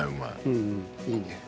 うんうんいいね。